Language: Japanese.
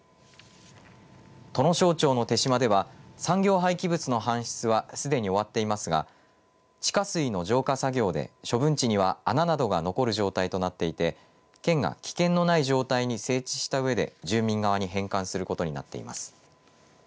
土庄町の豊島では産業廃棄物の搬出はすでに終わっていますが地下水の浄化作業で処分地には穴などが残る状態となっていて県が危険のない状態に整地したうえで住民側に返還することになっています。